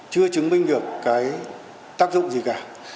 chưa chứng minh được cái tác dụng gì cả